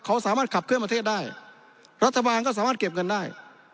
เขาสามารถขับเคลื่อนประเทศได้รัฐบาลก็สามารถเก็บเงินได้